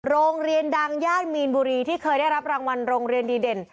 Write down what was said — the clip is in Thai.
โรงเรียนดังย่านมีนบุรีที่เคยได้รับรางวัลโรงเรียนดีเด่น